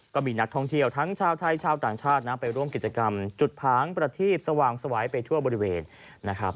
ก็มีนักท่องเที่ยวทั้งชาวไทยชาวต่างชาตินะไปร่วมกิจกรรมจุดผางประทีบสว่างสวัยไปทั่วบริเวณนะครับ